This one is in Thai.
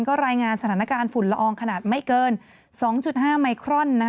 ก็รายงานสถานการณ์ฝุ่นละอองขนาดไม่เกิน๒๕ไมครอน